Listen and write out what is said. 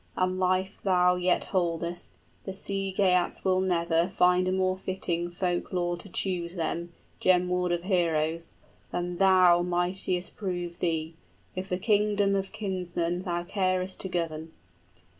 } And life thou yet holdest, the Sea Geats will never Find a more fitting folk lord to choose them, 35 Gem ward of heroes, than thou mightest prove thee, If the kingdom of kinsmen thou carest to govern.